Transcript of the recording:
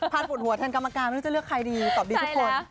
ปวดหัวแทนกรรมการไม่รู้จะเลือกใครดีตอบดีทุกคน